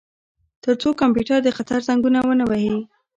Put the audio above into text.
ترڅو کمپیوټر د خطر زنګونه ونه وهي